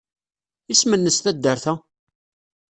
Isem-nnes taddart-a?